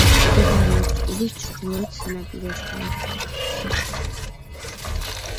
მდებარეობს კუბის ჩრდილოეთ სანაპიროსთან.